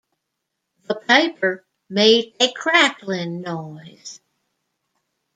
The paper made a crackling noise.